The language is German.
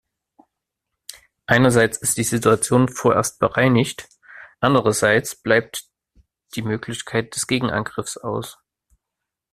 Einerseits ist die Situation vorerst bereinigt, andererseits bleibt die Möglichkeit des Gegenangriffs aus.